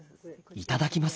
いただきます。